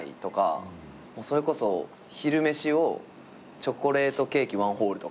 それこそ昼飯をチョコレートケーキワンホールとか。